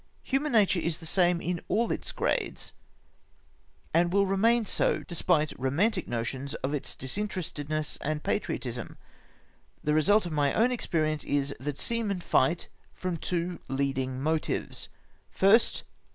Human natm^e is the same in all its grades, and will remain so, despite romantic notions of its disinterested ness and patriotism. The result of my own experience is, that seamen fight from two leading motives : 1st.